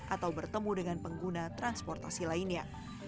atau bertemu dengan pengguna transportasi lainnya